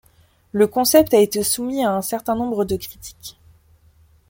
Le concept a été soumis à un certain nombre de critiques.